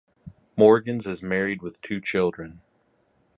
Morgans is married with two children.